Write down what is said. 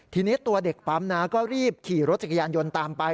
ทีนี้ตัวเด็กปั๊มนะก็รีบขี่รถจักรยานยนต์ตามไป